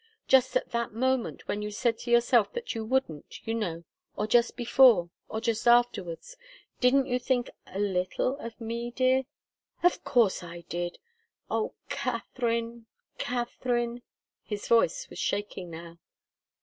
Just at that moment when you said to yourself that you wouldn't, you know, or just before, or just afterwards didn't you think a little of me, dear?" "Of course I did. Oh, Katharine, Katharine " His voice was shaking now.